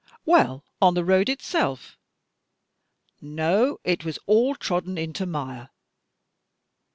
"Well, on the road itself?" " No, it was all trodden into mire."